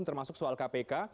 termasuk soal kpk